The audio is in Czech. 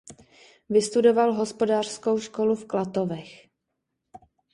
Vystudoval Hospodářskou školu v Klatovech.